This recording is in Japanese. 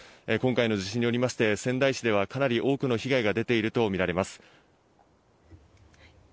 今回の地震で仙台市ではかなり多くの被害が出ているとみられます。